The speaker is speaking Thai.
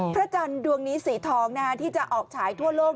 พระจันทร์ดวงนี้สีทองที่จะออกฉายทั่วโลก